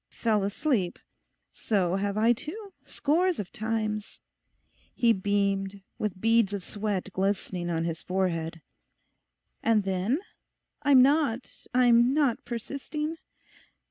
"Fell asleep," so have I too—scores of times'; he beamed, with beads of sweat glistening on his forehead. 'And then? I'm not, I'm not persisting?